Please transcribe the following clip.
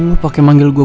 oh pake manggil gue